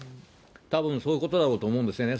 たぶん、そういうことだろうと思うんですね。